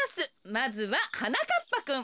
まずははなかっぱくん。